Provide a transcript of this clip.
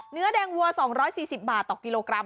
เนื้อแดงวัว๒๔๐บาทต่อกิโลกรัม